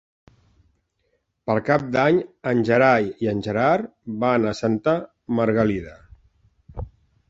Per Cap d'Any en Gerai i en Gerard van a Santa Margalida.